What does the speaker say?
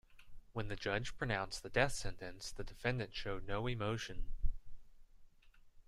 When the judge pronounced the death sentence, the defendant showed no emotion.